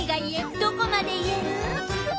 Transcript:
どこまで言える？